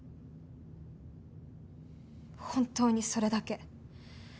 本当にそれだけ。